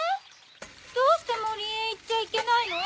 ・どうしてもりへいっちゃいけないの？